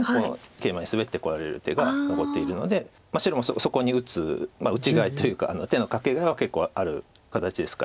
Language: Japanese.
ケイマにスベってこられる手が残っているので白もそこに打つ打ちがいというか手のかけがいは結構ある形ですかまだ。